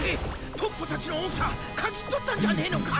トッポたちの音叉嗅ぎ取ったんじゃねえのか？